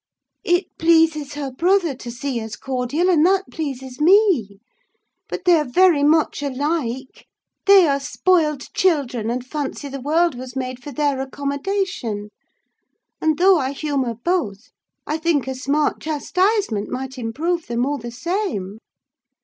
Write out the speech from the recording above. It pleases her brother to see us cordial, and that pleases me. But they are very much alike: they are spoiled children, and fancy the world was made for their accommodation; and though I humour both, I think a smart chastisement might improve them all the same."